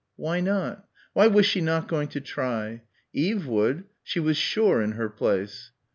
Why not? Why was she not going to try? Eve would, she was sure in her place....